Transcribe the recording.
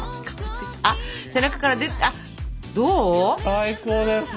最高です。